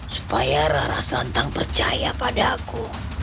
supaya rara santang percaya pada aku